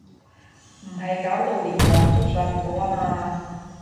唔係搞到連網都上唔到呀嘛？